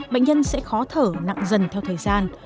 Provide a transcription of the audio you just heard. bệnh nhân sẽ khó thở nặng dần theo thời gian